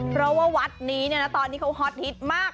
เพราะว่าวัดนี้ตอนนี้เขาฮอตฮิตมาก